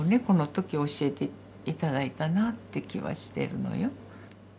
この時教えて頂いたなって気はしてるのよ。